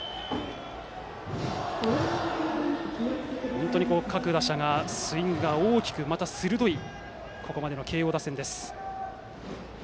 本当に各打者スイングが大きくまた鋭いここまでの慶応打線です。